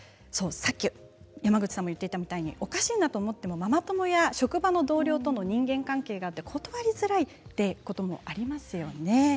山口さんが言っていたみたいにおかしいなと思ってもママ友や職場の同僚との人間関係があると断りづらいということもありますよね。